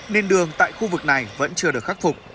nên đường tại khu vực này vẫn chưa được khắc phục